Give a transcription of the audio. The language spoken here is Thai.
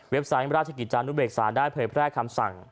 ไซต์ราชกิจจานุเบกษาได้เผยแพร่คำสั่ง